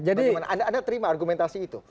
anda terima argumentasi itu